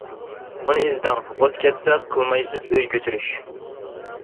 ئۇنى ئىزدەڭ ئوت كەتسە، قىلمايسىز ئۆي كۆچۈرۈش.